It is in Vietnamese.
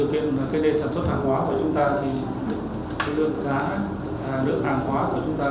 nơi quan trọng là cách điều hành cách quản lý của chúng ta thì tôi tin là sẽ đối đối với chúng ta